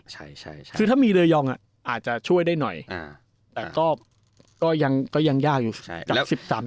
ใช่ใช่คือถ้ามีเรยองอ่ะอาจจะช่วยได้หน่อยแต่ก็ยังยากอยู่กับ๑๓แป้ม